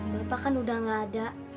bapak kan udah gak ada